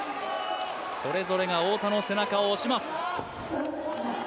それぞれが太田の背中を押します。